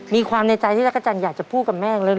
มีความในใจที่รักษาจันทร์อยากจะพูดกับแม่เลย